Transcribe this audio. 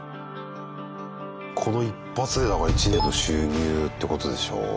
この１発でだから１年の収入ってことでしょう？